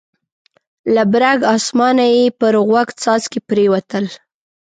له برګ اسمانه یې پر غوږ څاڅکي پرېوتل.